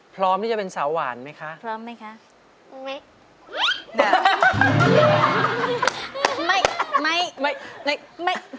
พร้อมที่จะเป็นสาวหวานไหมคะพร้อมไหมคะไม่ไม่ไม่ไม่